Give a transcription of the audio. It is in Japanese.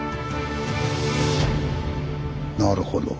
なるほど。